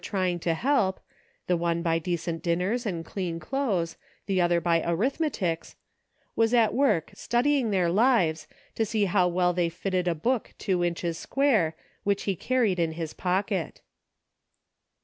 I4I trying to help, the one by decent dinners and clean clothes, the other by arithmetics, was at work studying their lives to see how well they fitted a book two inches square, which he carried in his pocket.